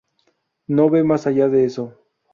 No ve más allá de eso.